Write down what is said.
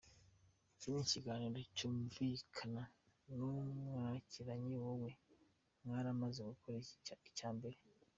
Iki kiganiro byumvikana ko mwakigiranye wowe waramaze gukora icya mbere.